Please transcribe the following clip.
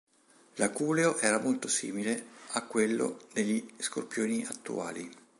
L'aculeo era molto simile a quello degli scorpioni attuali.